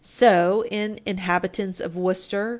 So, in Inhabitants of Worcester v.